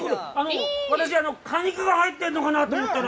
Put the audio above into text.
私、果肉が入っているのかなと思ったら。